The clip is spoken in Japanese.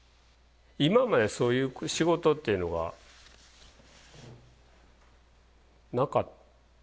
今までそういう仕事っていうのがなかったですね。